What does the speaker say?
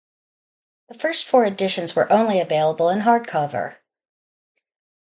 The first four editions were only available in hardcover.